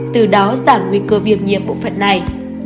từ đó giảm nguy cơ viêm nhiệm bộ phận này